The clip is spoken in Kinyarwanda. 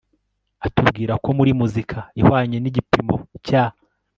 atubwira ko muri muzika ihwanye n'igipimo cya